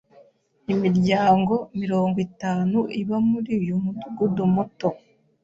Imiryango mirongo itanu iba muri uyu mudugudu muto.